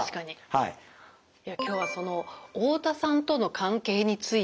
はい。